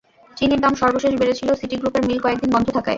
চিনির দাম সর্বশেষ বেড়েছিল সিটি গ্রুপের মিল কয়েক দিন বন্ধ থাকায়।